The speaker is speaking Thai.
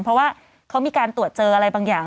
เพราะว่าเขามีการตรวจเจออะไรบางอย่าง